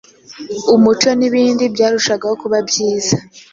umuco n’ibindi byarushagaho kuba byiza.